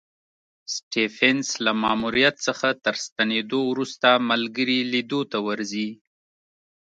سټېفنس له ماموریت څخه تر ستنېدو وروسته ملګري لیدو ته ورځي.